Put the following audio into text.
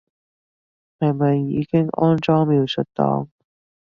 係咪已經安裝描述檔